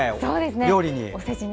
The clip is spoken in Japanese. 料理に。